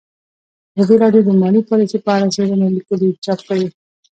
ازادي راډیو د مالي پالیسي په اړه څېړنیزې لیکنې چاپ کړي.